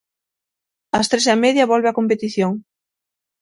As tres e media volve a competición.